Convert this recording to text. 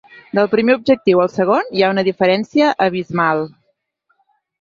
Del primer objectiu al segon hi ha una diferència abismal.